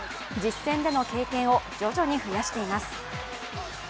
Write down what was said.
実戦での経験を徐々に増やしています。